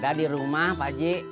ada di rumah pak haji